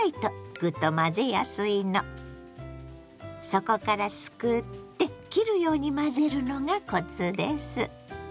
底からすくって切るように混ぜるのがコツです。